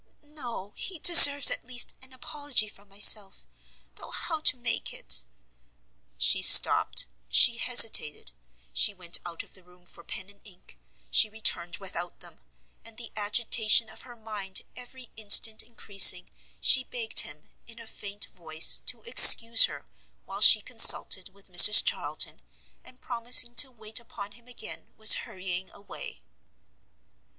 "No, he deserves, at least, an apology from myself, though how to make it " She stopt, she hesitated, she went out of the room for pen and ink, she returned without them, and the agitation of her mind every instant encreasing, she begged him, in a faint voice, to excuse her while she consulted with Mrs Charlton, and promising to wait upon him again, was hurrying away.